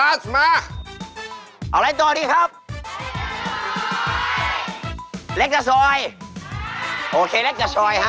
โอเคแน็ตไปต่อช้อยฮะ